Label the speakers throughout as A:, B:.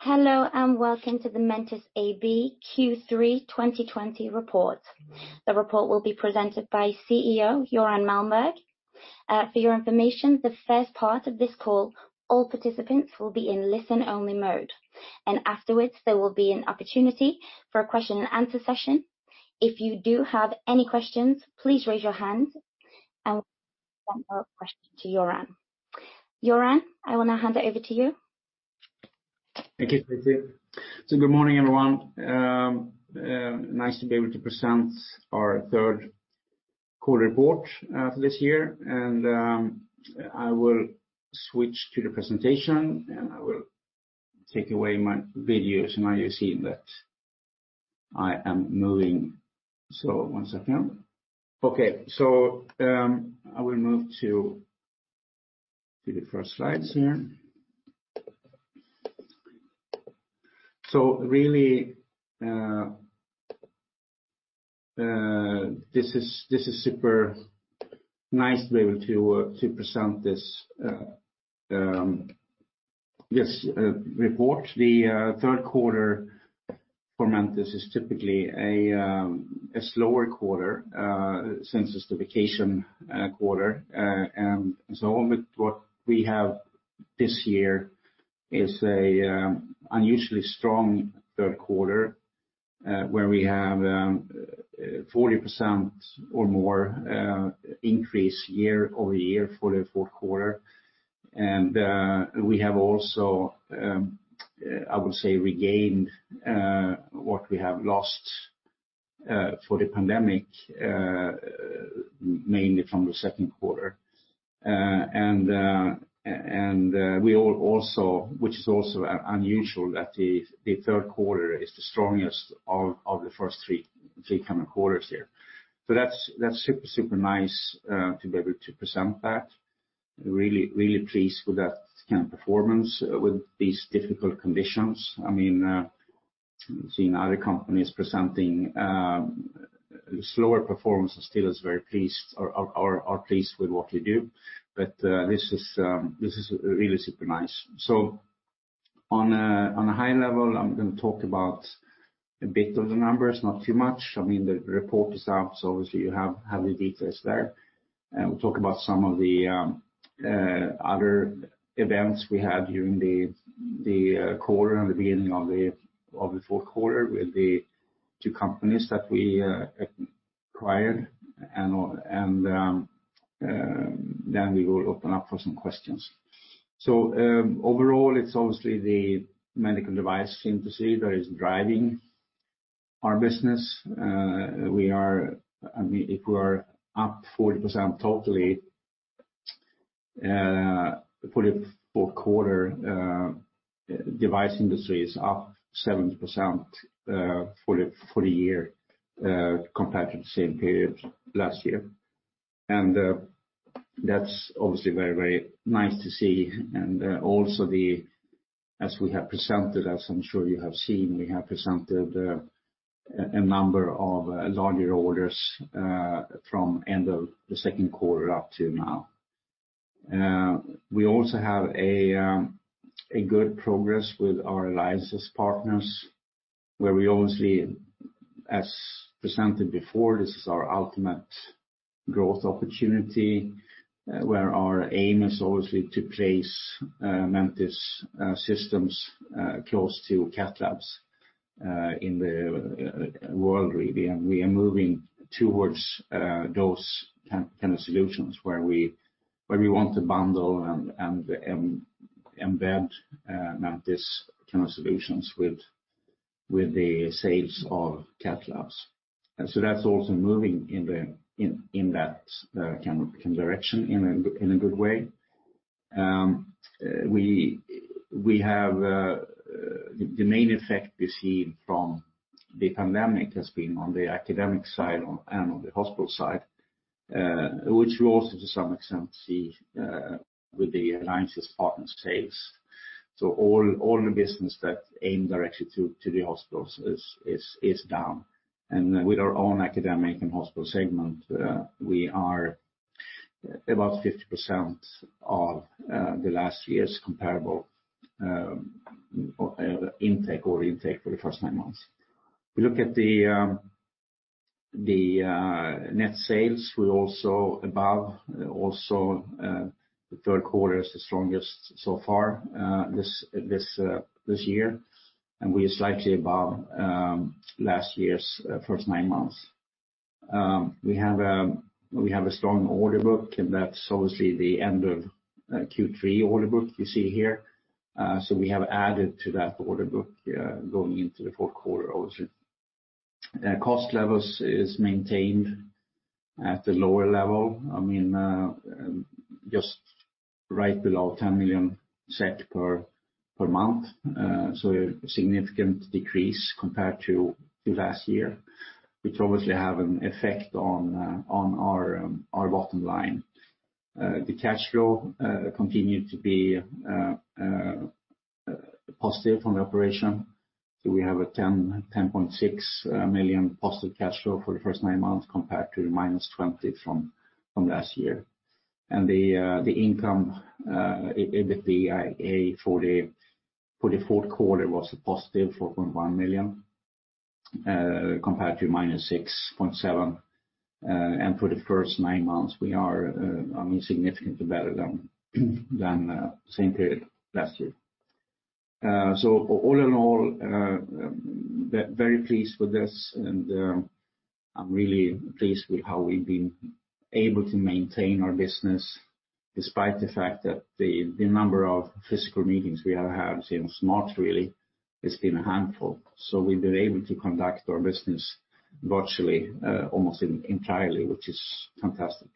A: Hello, and welcome to the Mentice AB Q3 2020 report. The report will be presented by CEO Göran Malmberg. For your information, the first part of this call, all participants will be in listen-only mode. Afterwards, there will be an opportunity for a question and answer session. If you do have any questions, please raise your hand and we'll send the question to Göran. Göran, I will now hand it over to you.
B: Thank you, Stacy. Good morning, everyone. Nice to be able to present our third quarter report for this year. I will switch to the presentation, and I will take away my video, so now you're seeing that I am moving. One second. Okay. I will move to the first slides here. This is super nice to be able to present this report. The third quarter for Mentice is typically a slower quarter since it's the vacation quarter. What we have this year is an unusually strong third quarter, where we have 40% or more increase year-over-year for the fourth quarter. We have also, I would say, regained what we have lost for the pandemic, mainly from the second quarter. Which is also unusual that the third quarter is the strongest of the first three coming quarters here. That's super nice to be able to present that. Really pleased with that kind of performance with these difficult conditions. I've seen other companies presenting slower performance and still are pleased with what they do. This is really super nice. On a high level, I'm going to talk about a bit of the numbers, not too much. The report is out, obviously you have the details there. We'll talk about some of the other events we had during the quarter and the beginning of the fourth quarter with the two companies that we acquired. We will open up for some questions. Overall, it's obviously the medical device industry that is driving our business. If we are up 40% totally for the fourth quarter, device industry is up 70% for the year compared to the same period last year. That's obviously very nice to see. Also, as we have presented, as I'm sure you have seen, we have presented a number of larger orders from end of the second quarter up to now. We also have a good progress with our Alliance Partners, where we obviously, as presented before, this is our ultimate growth opportunity. Our aim is obviously to place Mentice systems close to cath labs in the world, really. We are moving towards those kind of solutions where we want to bundle and embed Mentice solutions with the sales of cath labs. That's also moving in that direction in a good way. The main effect we've seen from the pandemic has been on the academic side and on the hospital side, which we also, to some extent, see with the Alliance Partners sales. All the business that aim directly to the hospitals is down. With our own academic and hospital segment, we are about 50% of the last year's comparable intake or intake for the first nine months. We look at the net sales, we're also above. The third quarter is the strongest so far this year, and we are slightly above last year's first nine months. We have a strong order book, and that's obviously the end of Q3 order book you see here. We have added to that order book going into the fourth quarter also. Cost levels is maintained at the lower level. Just right below 10 million per month. A significant decrease compared to last year, which obviously have an effect on our bottom line. The cash flow continued to be positive from the operation. We have a 10.6 million positive cash flow for the first nine months compared to the -20 million from last year. The income, EBITDA for the fourth quarter was a positive 4.1 million, compared to -6.7 million. For the first nine months, we are significantly better than same period last year. All in all, very pleased with this, and I'm really pleased with how we've been able to maintain our business despite the fact that the number of physical meetings we have had, since March, really has been a handful. We've been able to conduct our business virtually almost entirely, which is fantastic.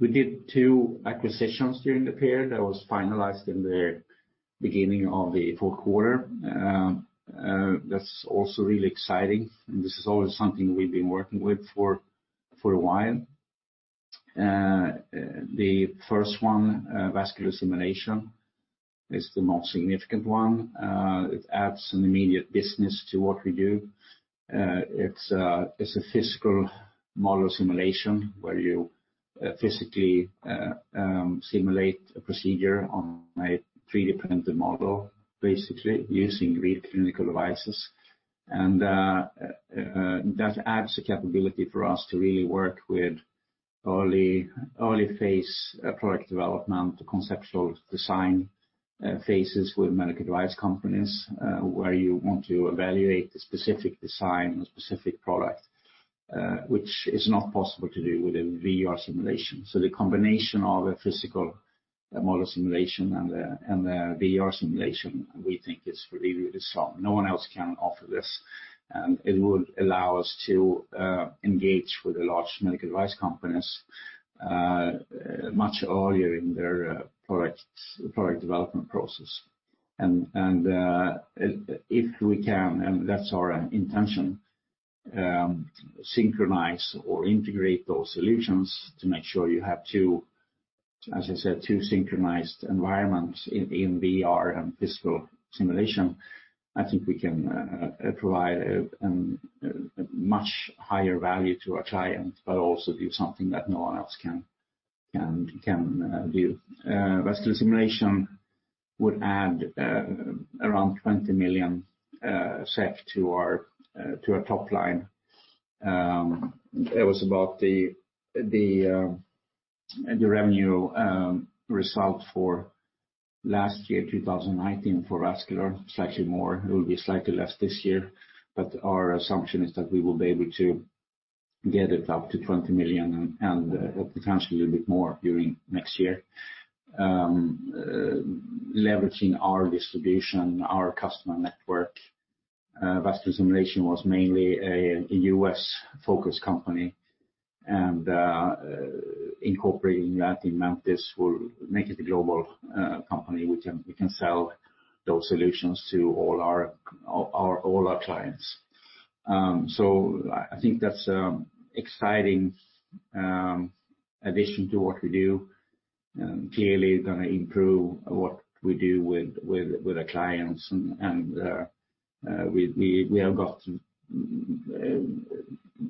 B: We did two acquisitions during the period that was finalized in the beginning of the fourth quarter. That's also really exciting, and this is always something we've been working with for a while. The first one, Vascular Simulations, is the most significant one. It adds an immediate business to what we do. It's a physical model simulation where you physically simulate a procedure on a 3D printed model, basically using real clinical devices. That adds a capability for us to really work with early phase product development, conceptual design phases with medical device companies, where you want to evaluate a specific design, a specific product, which is not possible to do with a VR simulation. The combination of a physical model simulation and the VR simulation, we think is really strong. No one else can offer this, and it will allow us to engage with the large medical device companies much earlier in their product development process. If we can, and that's our intention, synchronize or integrate those solutions to make sure you have two, as I said, two synchronized environments in VR and physical simulation, I think we can provide a much higher value to our client, but also do something that no one else can do. Vascular Simulations would add around 20 million to our top line. That was about the revenue result for last year, 2019, for Vascular, slightly more. It will be slightly less this year, but our assumption is that we will be able to get it up to 20 million and potentially a little bit more during next year. Leveraging our distribution, our customer network. Vascular Simulations was mainly a U.S.-focused company, and incorporating that in Mentice will make it a global company. We can sell those solutions to all our clients. I think that's exciting addition to what we do. Clearly going to improve what we do with the clients, and we have got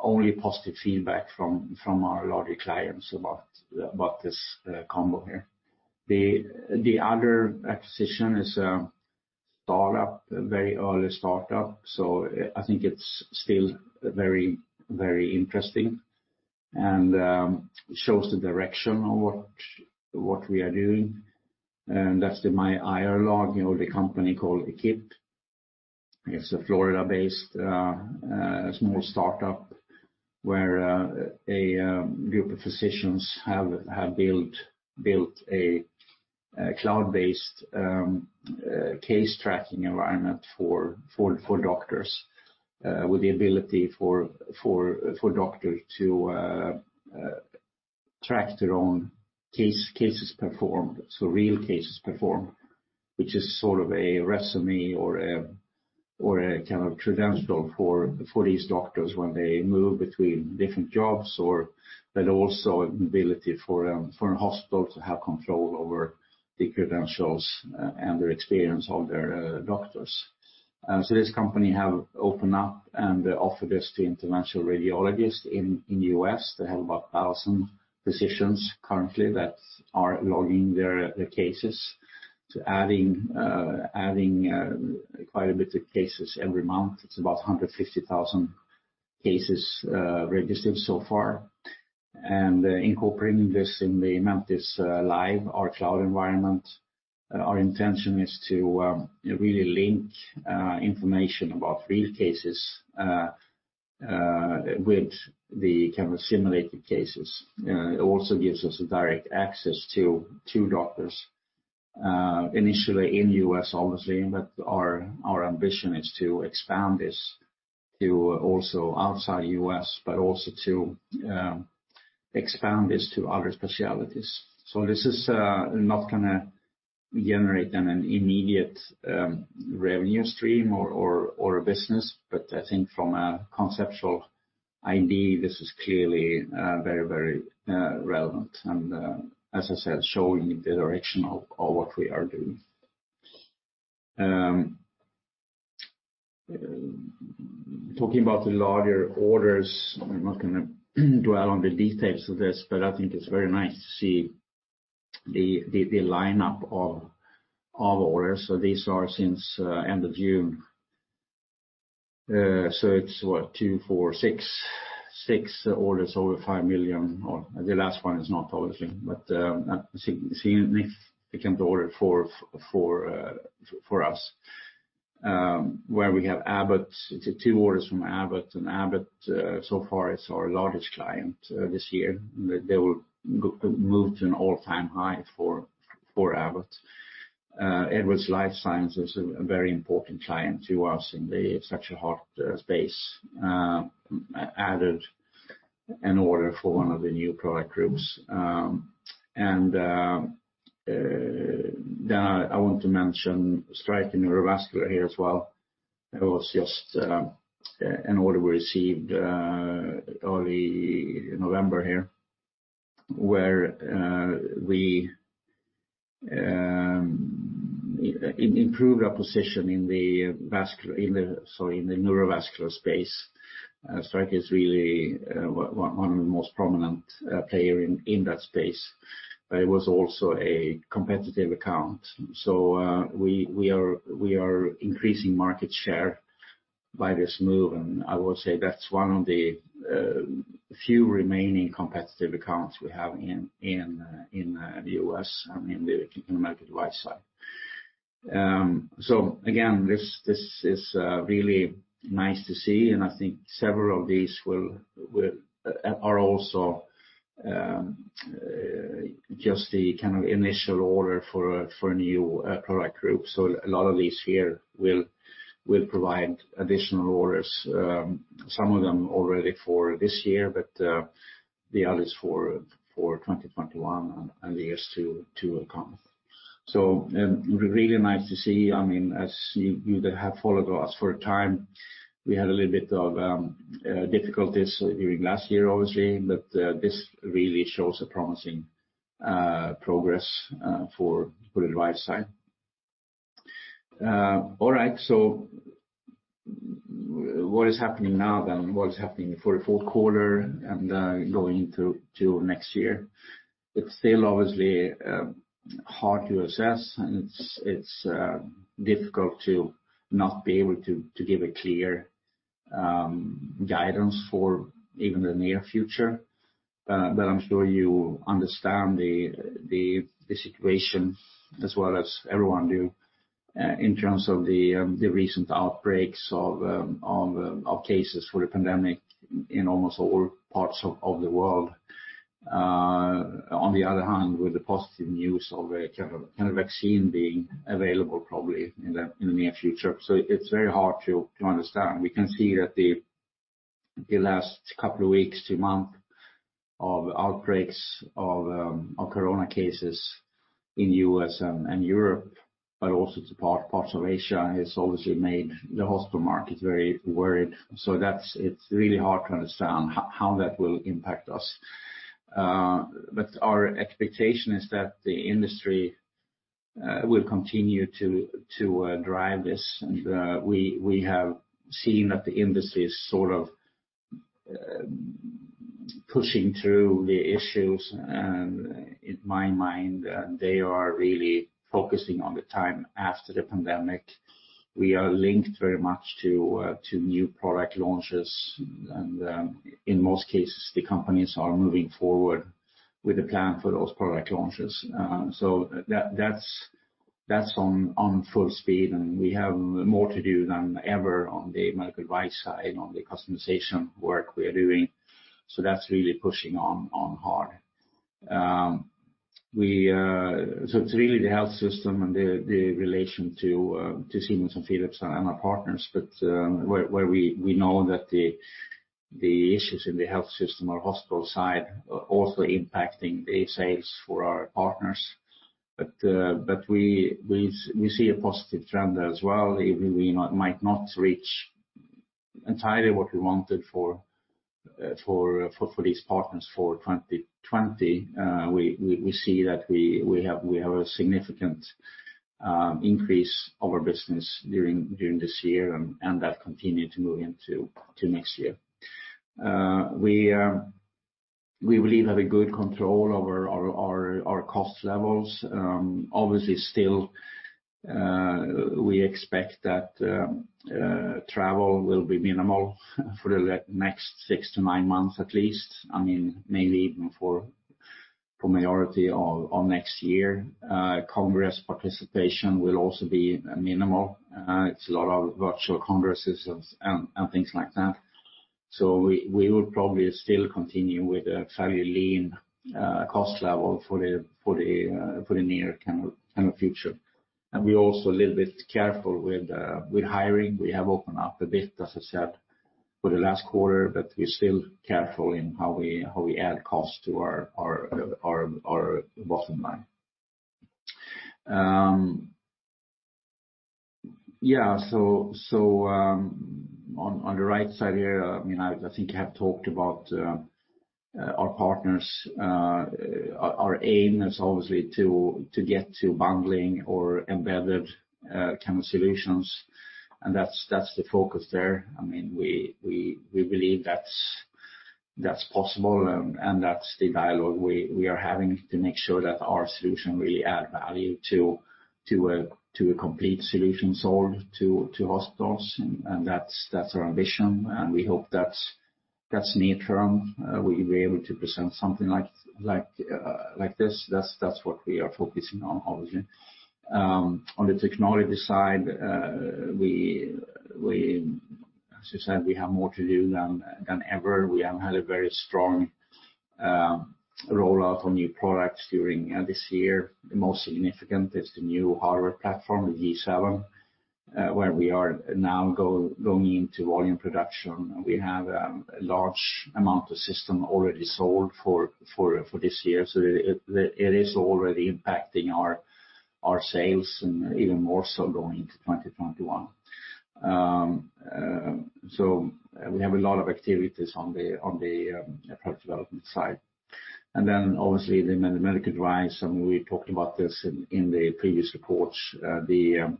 B: only positive feedback from our larger clients about this combo here. The other acquisition is a very early startup, so I think it's still very interesting and shows the direction of what we are doing. That's the MyIRlog, the company called EQIP. It's a Florida-based small startup where a group of physicians have built a cloud-based case tracking environment for doctors with the ability for doctors to track their own cases performed, so real cases performed, which is sort of a resume or a kind of credential for these doctors when they move between different jobs or but also ability for a hospital to have control over the credentials and their experience of their doctors. This company have opened up and offered this to interventional radiologists in U.S. They have about 1,000 physicians currently that are logging their cases, adding quite a bit of cases every month. It's about 150,000 cases registered so far. Incorporating this in the Mentice Live, our cloud environment, our intention is to really link information about real cases with the kind of simulated cases. It also gives us a direct access to doctors initially in U.S., obviously, but our ambition is to expand this to also outside U.S., but also to expand this to other specialties. This is not going to generate an immediate revenue stream or a business, but I think from a conceptual Indeed, this is clearly very relevant and, as I said, showing the direction of what we are doing. Talking about the larger orders, I'm not going to dwell on the details of this, but I think it's very nice to see the lineup of orders. These are since end of June. It's what? Two, four, six. Six orders over 5 million. Well, the last one is not, obviously, but significantly, become the order four for us. Where we have Abbott, it's two orders from Abbott, and Abbott so far is our largest client this year. They will move to an all-time high for Abbott. Edwards Lifesciences, a very important client to us in such a hot space, added an order for one of the new product groups. I want to mention Stryker Neurovascular here as well. It was just an order we received early November here, where we improved our position in the vascular-- sorry, in the neurovascular space. Stryker is really one of the most prominent player in that space. It was also a competitive account. We are increasing market share by this move, and I would say that's one of the few remaining competitive accounts we have in the U.S. and in the medical device side. Again, this is really nice to see, and I think several of these are also just the initial order for a new product group. A lot of these here will provide additional orders, some of them already for this year, but the others for 2021 and the years to come. Really nice to see. As you that have followed us for a time, we had a little bit of difficulties during last year, obviously, but this really shows a promising progress for the device side. All right. What is happening now then? What is happening for the fourth quarter and going through to next year? It's still, obviously, hard to assess, and it's difficult to not be able to give a clear guidance for even the near future. I'm sure you understand the situation as well as everyone do in terms of the recent outbreaks of cases for the pandemic in almost all parts of the world. On the other hand, with the positive news of a vaccine being available probably in the near future. It's very hard to understand. We can see that the last couple of weeks to month of outbreaks of corona cases in U.S. and Europe, but also to parts of Asia, has obviously made the hospital market very worried. It's really hard to understand how that will impact us. Our expectation is that the industry will continue to drive this. We have seen that the industry is sort of pushing through the issues. In my mind, they are really focusing on the time after the pandemic. We are linked very much to new product launches, and in most cases, the companies are moving forward with a plan for those product launches. That's on full speed, and we have more to do than ever on the medical device side, on the customization work we are doing. That's really pushing on hard. It's really the health system and the relation to Siemens and Philips and our partners, but where we know that the issues in the health system or hospital side are also impacting the sales for our partners. We see a positive trend as well. Even we might not reach entirely what we wanted for these partners for 2020, we see that we have a significant increase of our business during this year and that continue to move into next year. We believe we have a good control over our cost levels. Obviously, still, we expect that travel will be minimal for the next six to nine months at least, maybe even for majority of next year. Congress participation will also be minimal. It's a lot of virtual congresses and things like that. We will probably still continue with a fairly lean cost level for the near future. We're also a little bit careful with hiring. We have opened up a bit, as I said, for the last quarter, but we're still careful in how we add cost to our bottom line. Yeah. On the right side here, I think I have talked about our partners. Our aim is obviously to get to bundling or embedded solutions, and that's the focus there. We believe that's possible, and that's the dialogue we are having to make sure that our solution really adds value to a complete solution sold to hospitals, and that's our ambition, and we hope that's near-term. We'll be able to present something like this. That's what we are focusing on, obviously. On the technology side, as you said, we have more to do than ever. We have had a very strong rollout of new products during this year. The most significant is the new hardware platform, the G7, where we are now going into volume production. We have a large amount of system already sold for this year. It is already impacting our sales, and even more so going into 2021. We have a lot of activities on the product development side. Obviously the medical device, and we talked about this in the previous reports, the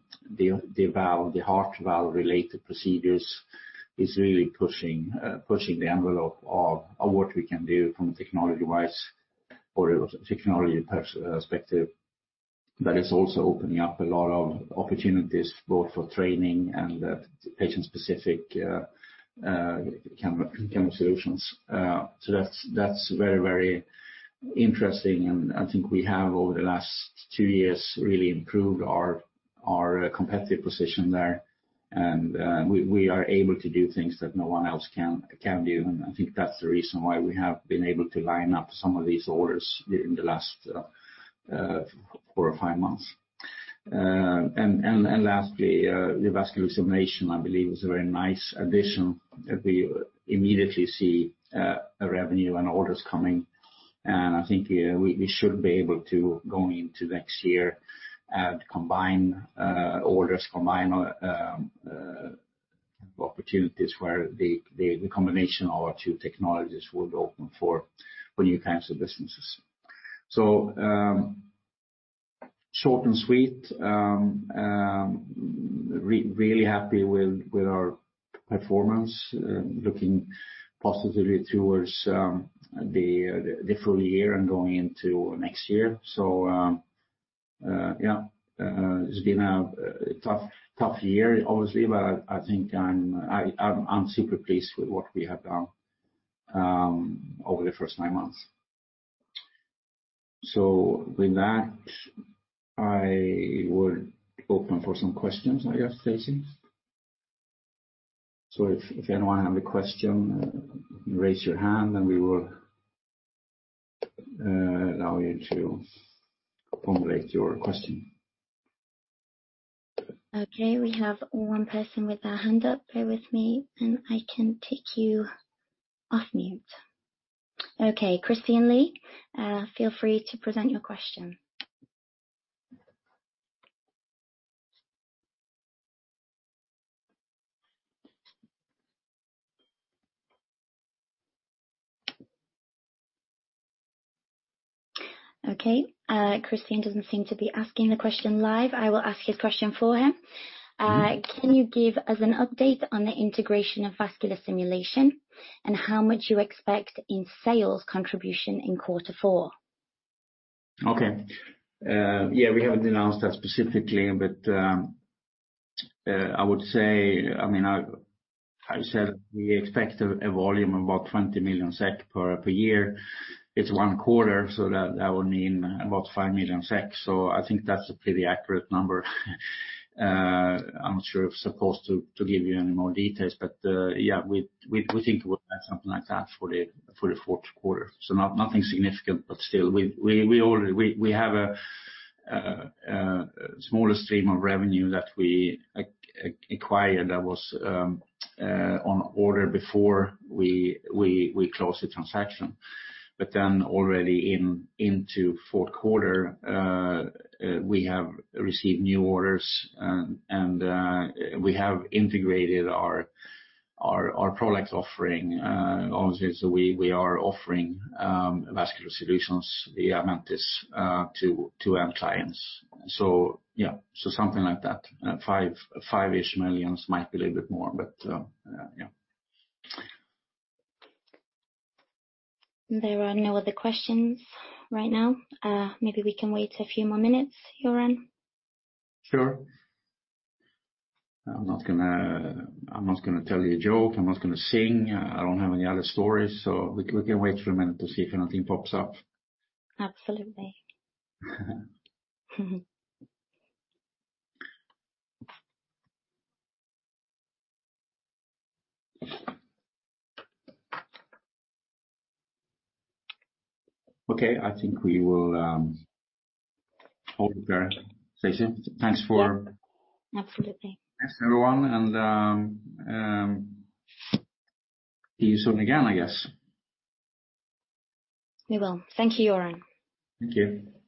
B: heart valve related procedures is really pushing the envelope of what we can do from a technology perspective. It's also opening up a lot of opportunities both for training and patient-specific kind of solutions. That's very interesting, and I think we have, over the last two years, really improved our competitive position there, and we are able to do things that no one else can do, and I think that's the reason why we have been able to line up some of these orders within the last four or five months. Lastly, the Vascular Simulations, I believe, is a very nice addition that we immediately see a revenue and orders coming, and I think we should be able to, going into next year, combine orders, combine opportunities where the combination of our two technologies would open for new kinds of businesses. Short and sweet, really happy with our performance, looking positively towards the full year and going into next year. Yeah. It's been a tough year, obviously, but I think I'm super pleased with what we have done over the first nine months. With that, I would open for some questions, I guess, Stacy. If anyone have a question, raise your hand and we will allow you to formulate your question.
A: Okay, we have one person with their hand up. Bear with me, and I can take you off mute. Okay, Christian Lee, feel free to present your question. Okay, Christian doesn't seem to be asking the question live. I will ask his question for him. Can you give us an update on the integration of Vascular Simulations and how much you expect in sales contribution in quarter four?
B: Okay. We haven't announced that specifically, but I would say, we expect a volume of about 20 million SEK per year. It's one quarter, that would mean about 5 million SEK. I think that's a pretty accurate number. I'm not sure if supposed to give you any more details, but yeah, we think it would be something like that for the fourth quarter. Nothing significant, but still, we have a smaller stream of revenue that we acquired that was on order before we closed the transaction. Already into fourth quarter, we have received new orders, and we have integrated our product offering, obviously. We are offering vascular solutions via Mentice to end clients. Yeah, so something like that. Five-ish millions, might be a little bit more, but yeah.
A: There are no other questions right now. Maybe we can wait a few more minutes, Göran.
B: Sure. I'm not going to tell you a joke. I'm not going to sing. I don't have any other stories, so we can wait for a minute to see if anything pops up.
A: Absolutely.
B: Okay, I think we will call it there. Stacy, thanks for-
A: Yeah. Absolutely.
B: Thanks, everyone, and see you soon again, I guess.
A: We will. Thank you, Göran.
B: Thank you.